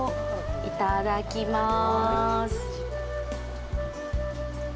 いただきます。